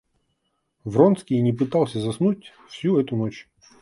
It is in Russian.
Вронский и не пытался заснуть всю эту ночь.